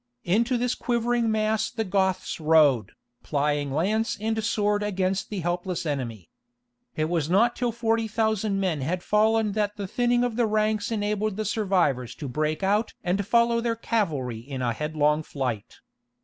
Into this quivering mass the Goths rode, plying lance and sword against the helpless enemy. It was not till forty thousand men had fallen that the thinning of the ranks enabled the survivors to break out and follow their cavalry in a headlong flight.